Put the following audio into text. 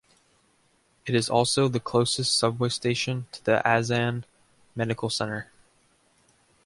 It is also the closest subway station to the Asan Medical Center.